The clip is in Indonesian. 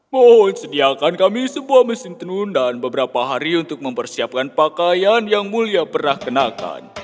mohon sediakan kami sebuah mesin tenun dan beberapa hari untuk mempersiapkan pakaian yang mulia pernah kenakan